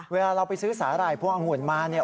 เวลาเราไปซื้อสาหร่ายพวงองุ่นมาเนี่ย